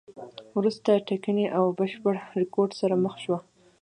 وروسته ټکنۍ او له بشپړ رکود سره مخ شوه.